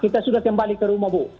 kita sudah kembali ke rumah bu